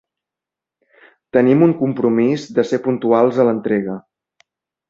Tenim un compromís de ser puntuals a l'entrega.